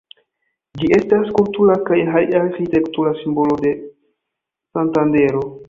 Ĝi estas kultura kaj arĥitektura simbolo de Santandero.